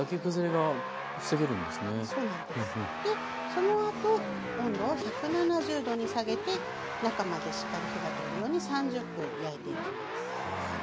そのあと温度を１７０℃に下げて中までしっかり火が通るように３０分焼いていきます。